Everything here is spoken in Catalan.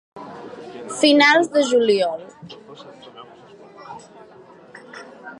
Finals de juliol.